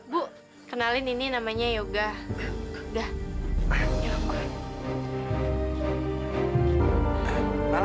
bu kenalin ini namanya yoga